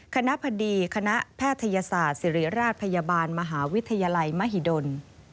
คณะพดีคณะแพทยศาสตร์ศิริราชพยาบาลมหาวิทยาลัยมหิดล